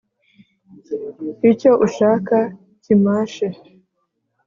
Icyo ushaka kimashe.